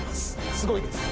すごいです。